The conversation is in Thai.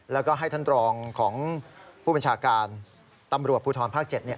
แล้วก็ให้ท่านรองของผู้บัญชาการตำรวจภูทรภาค๗